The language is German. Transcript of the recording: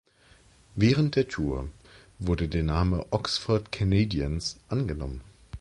Während der Tour wurde der Name „Oxford Canadians“ angenommen.